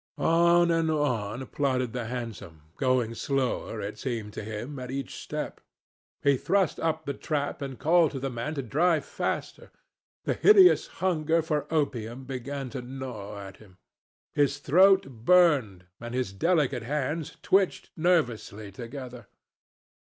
On and on plodded the hansom, going slower, it seemed to him, at each step. He thrust up the trap and called to the man to drive faster. The hideous hunger for opium began to gnaw at him. His throat burned and his delicate hands twitched nervously together.